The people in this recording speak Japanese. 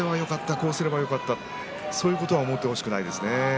こうすればよかったそういうことを思ってほしくないですね。